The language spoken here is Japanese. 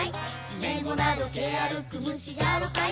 「めごなどけあるくむしじゃろかい」